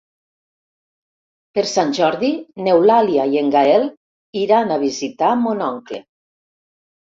Per Sant Jordi n'Eulàlia i en Gaël iran a visitar mon oncle.